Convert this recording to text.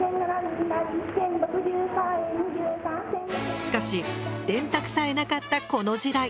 しかし電卓さえなかったこの時代。